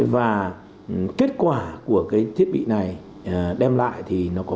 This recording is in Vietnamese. và kết quả của cái thiết bị này đem lại thì nó có